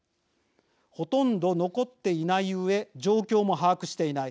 ほとんど残っていないうえ状況も把握していない。